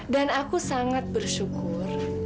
dan aku sangat bersyukur